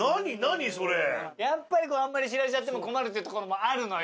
やっぱりこうあんまり知られちゃっても困るってところもあるのよ。